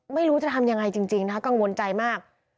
ไม่รู้จะทำยังไงจริงนะคะกังวลใจมาก